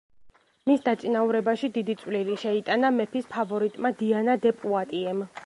მის დაწინაურებაში დიდი წვლილი შეიტანა მეფის ფავორიტმა დიანა დე პუატიემ.